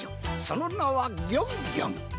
そのなはギョンギョン。